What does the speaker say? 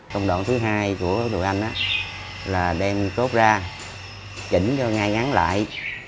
công đoạn thứ hai của đồ anh là đem cốt ra chỉnh cho ngay ngắn lại